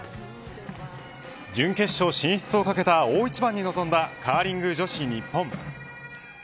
準決勝進出を懸けた大一番に臨んだカーリング女子日本。